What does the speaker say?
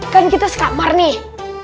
kan kita sekamar nih